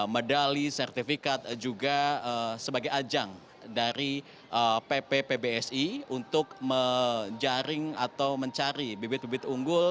medali sertifikat juga sebagai ajang dari pp pbsi untuk menjaring atau mencari bibit bibit unggul